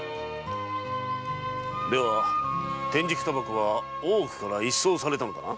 では天竺煙草は大奥から一掃されたのだな？